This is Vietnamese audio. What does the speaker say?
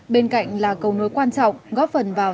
bên cạnh là cầu nối quan trọng góp phần vào